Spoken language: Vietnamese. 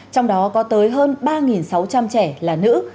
trong đó có tới hơn ba sáu trăm linh trẻ là nữ